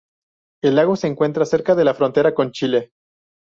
El lago se encuentra cerca de la frontera con Chile.